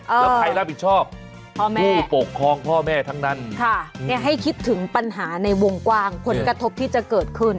แล้วใครรับผิดชอบผู้ปกครองพ่อแม่ทั้งนั้นค่ะเนี่ยให้คิดถึงปัญหาในวงกว้างผลกระทบที่จะเกิดขึ้น